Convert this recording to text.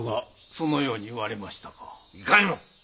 いかにも！